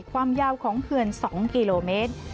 ความยาวของเขื่อน๒กิโลเมตร